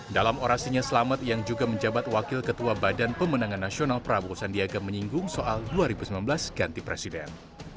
dalam orasinya selamat yang juga menjabat wakil ketua badan pemenangan nasional prabowo sandiaga menyinggung soal dua ribu sembilan belas ganti presiden